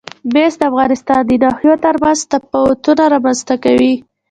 مس د افغانستان د ناحیو ترمنځ تفاوتونه رامنځ ته کوي.